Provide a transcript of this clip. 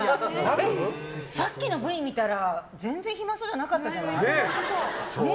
さっきのＶ見たら全然暇そうじゃなかったじゃない？